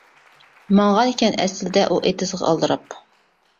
ماڭغان ئىكەن ئەسلىدە، ئۇ ئېتىزغا ئالدىراپ.